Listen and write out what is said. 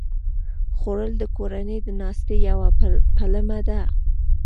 خوړل د کورنۍ د ناستې یوه پلمه ده